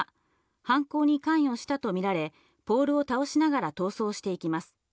犯行に関与したとみられ、ポールを倒しながら逃走していきます。